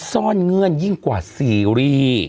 ซ่อนเงื่อนยิ่งกว่าซีรีส์